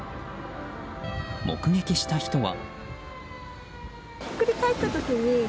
目撃した人は。